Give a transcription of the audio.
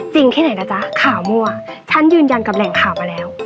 แค่ไหนนะจ๊ะข่าวมั่วฉันยืนยันกับแหล่งข่าวมาแล้ว